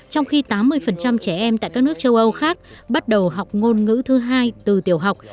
trong khi tám mươi trẻ em tại các nước châu âu khác bắt đầu học ngôn ngữ thứ hai từ tiểu học